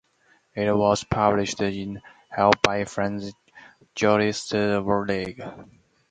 It was published in Halle by Franz Joest Verlag.